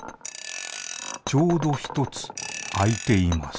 ちょうどひとつあいています